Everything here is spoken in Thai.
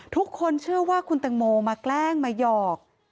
ทุกคนเชื่อว่าคุณตังโมมาแกล้งมาหยอก